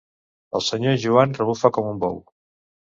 El senyor Joan rebufa com un bou.